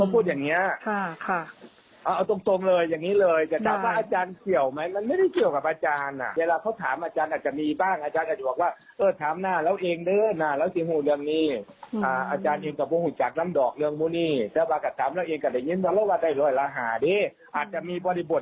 โปรดติดตามตอนต่อไป